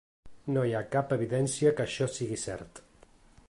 No hi ha cap evidència que això sigui cert.